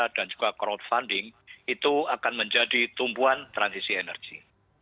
dan juga crowdfunding itu akan menjadi tumpuan transisi energi